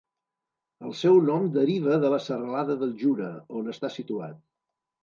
El seu nom deriva de la serralada del Jura, on està situat.